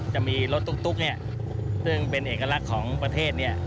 จะมีรถตุ๊กเนี่ยซึ่งเป็นเอกลักษณ์ของประเทศเนี่ย